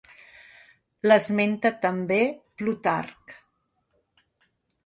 L'esmenta també Plutarc.